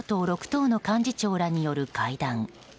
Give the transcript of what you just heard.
党の幹事長らによる会談。